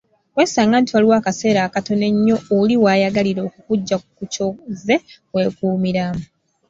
Weesanga nti waliwo akaseera akatono ennyo oli wayagalira okukugya ku ky'ozze weekuumiramu.